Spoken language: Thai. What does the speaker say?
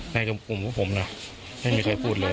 ในกลุ่มพวกผมนะไม่มีใครพูดเลย